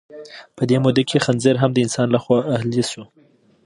په دې موده کې خنزیر هم د انسان لخوا اهلي شو.